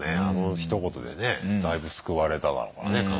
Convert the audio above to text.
あのひと言でねだいぶ救われただろうからね